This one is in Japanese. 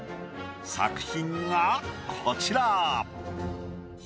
作品がこちら。